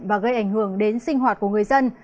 và gây ảnh hưởng đến sinh hoạt của người dân